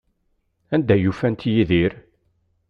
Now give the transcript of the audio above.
Anda ay ufant Yidir?